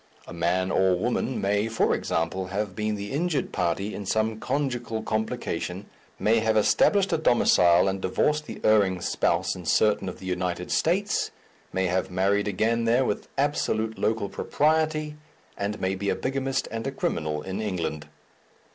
A man or woman may, for example, have been the injured party in some conjugal complication, may have established a domicile and divorced the erring spouse in certain of the United States, may have married again there with absolute local propriety, and may be a bigamist and a criminal in England.